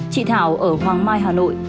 chị thảo ở hoàng mai hà nội